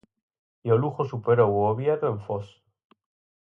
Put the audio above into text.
E o Lugo superou o Oviedo en Foz.